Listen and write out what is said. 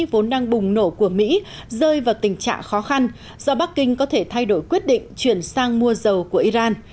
vốn đang bùng nổ của mỹ rơi vào tình trạng khó khăn do bắc kinh có thể thay đổi quyết định chuyển sang mua dầu của iran